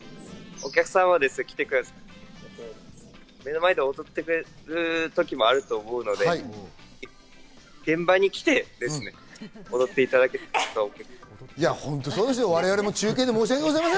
お客さんが来てくれたら目の前で踊ってくれる時もあると思うので、現場に来て踊っていただければと思います。